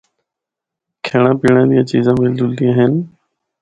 کھینڑا پینڑا دیاں چیزاں مِل جُلدیاں ہن۔